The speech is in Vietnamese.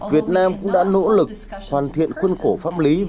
việt nam cũng đã nỗ lực hoàn thiện khuôn khổ pháp lý